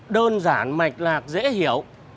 đơn giản mạch lạc dễ hiểu